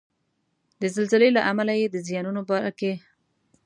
د زلزلې له امله یې د زیانونو باره کې خبرې کولې.